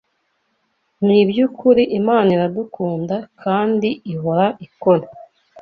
Ni iby’ukuri Imana iradukunda kandi ihora ikora